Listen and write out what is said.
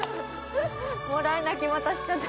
もらい泣きまたしちゃった。